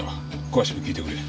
詳しく聞いてくれ。